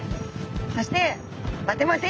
そして「待て待てい！